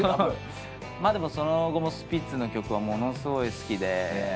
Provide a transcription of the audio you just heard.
その後もスピッツの曲はものすごい好きで。